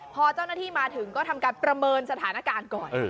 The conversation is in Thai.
พอเจ้าหน้าที่มาถึงก็ทำการประเมินสถานการณ์ก่อน